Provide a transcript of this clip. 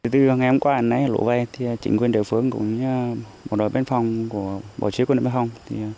từ ngày hôm qua lũ quét chính quyền địa phương cũng một đội bên phòng của bộ chí quyền địa phương